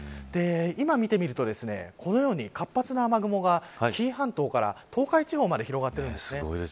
今見てみるとこのように活発な雨雲が紀伊半島から東海地方まで広がっているんです。